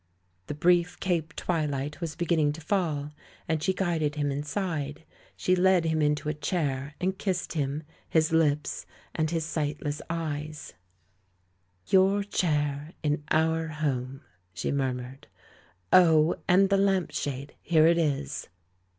The brief Cape tv/ilight was beginning to fall, and she guided him inside. She led him into a chair, and kissed him — his lips, and his sightless eyes. 158 THE MAN WHO UNDERSTOOD WOMEN "Your chair in our home," she murmured. *'Oh, and the lamp shade! Here it is."